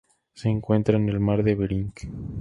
Se encuentra en el mar de Bering.